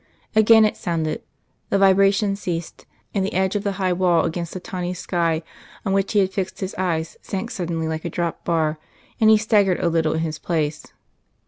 Again it sounded; the vibration ceased, and the edge of the high wall against the tawny sky on which he had fixed his eyes sank suddenly like a dropped bar, and he staggered a little in his place.